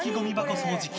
掃除機